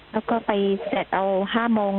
แล้วก็ไปเซ็ตเอาห้ามง